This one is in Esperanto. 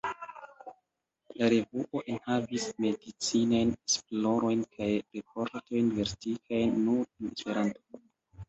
La revuo enhavis medicinajn esplorojn kaj raportojn verkitajn nur en Esperanto.